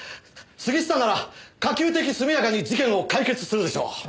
杉下なら可及的速やかに事件を解決するでしょう。